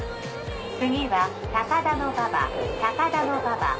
次は高田馬場高田馬場。